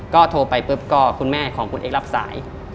ก็โทรไปปุ๊บก็คุณแม่ของคุณเอ็กซ์รับสาย